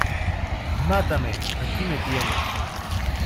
¡ mátame, aquí me tienes!